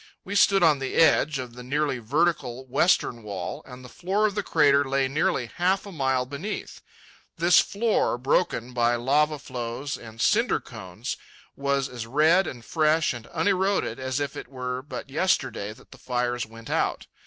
We stood on the edge of the nearly vertical western wall, and the floor of the crater lay nearly half a mile beneath. This floor, broken by lava flows and cinder cones, was as red and fresh and uneroded as if it were but yesterday that the fires went out.